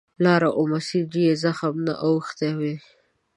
لار او مسیر یې زخم نه اوښتی وي.